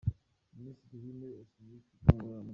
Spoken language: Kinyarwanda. Minisitiri w'intebe yasuye ikigo ngororamuco.